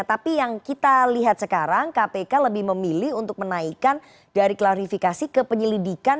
tapi yang kita lihat sekarang kpk lebih memilih untuk menaikkan dari klarifikasi ke penyelidikan